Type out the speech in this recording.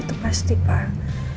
itu pasti pak